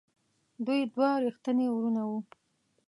دوی دوه ریښتیني وروڼه وو.